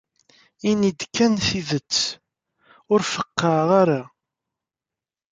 Ini-d kan tidet. Ur feqqɛeɣ ara.